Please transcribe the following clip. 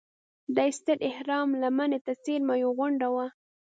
دې ستر اهرام لمنې ته څېرمه یوه غونډه وه.